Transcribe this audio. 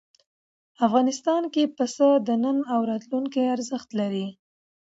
افغانستان کې پسه د نن او راتلونکي ارزښت لري.